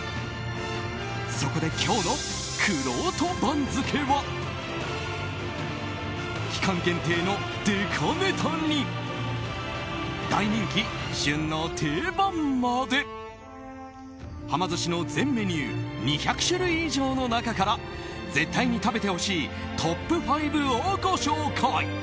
そこで今日のくろうと番付は期間限定のでかねたに大人気、旬の定番まで。はま寿司の全メニュー２００種類以上の中から絶対に食べてほしいトップ５をご紹介。